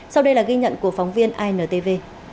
sau đây là ghi nhận của phóng viên intv